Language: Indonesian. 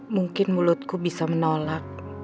mungkin mulutku bisa menolak